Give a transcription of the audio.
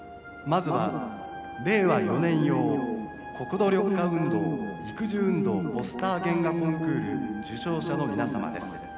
「まずは令和４年用国土緑化運動・育樹運動ポスター原画コンクール受賞者の皆様です。